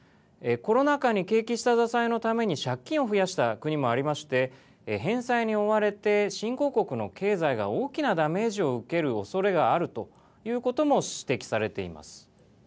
コロナ禍に景気下支えのために借金を増やした国もありまして返済に追われて新興国の経済が大きなダメージを受けるおそれがあるということも指摘されています。